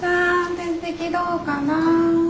点滴どうかな？